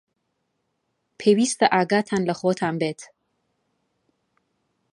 پێویستە ئاگاتان لە خۆتان بێت.